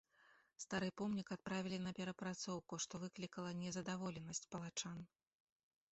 Стары помнік адправілі на перапрацоўку, што выклікала незадаволенасць палачан.